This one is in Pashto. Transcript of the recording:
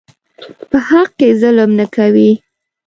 په حق کې ظلم نه کوي.